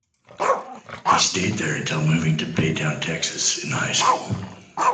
He stayed there until moving to Baytown, Texas in high school.